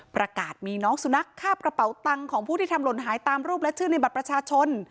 ประกาศมีน้องสุนัขฆ่ากระเป๋าตังค์ของผู้ที่ทำหล่นหายตามรูปและชื่อในบัตรประชาชน